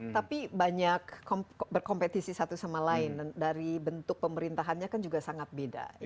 tapi banyak berkompetisi satu sama lain dari bentuk pemerintahannya kan juga sangat beda